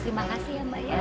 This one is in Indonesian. terima kasih ya mbak ya